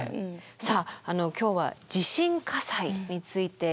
さあ今日は地震火災について見てきました。